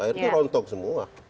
akhirnya rontok semua